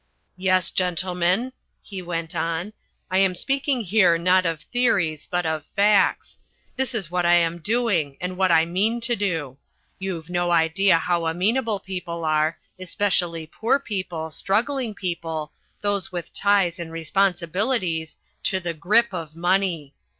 "Yes, gentlemen," he went on, "I am speaking here not of theories but of facts. This is what I am doing and what I mean to do. You've no idea how amenable people are, especially poor people, struggling people, those with ties and responsibilities, to the grip of money.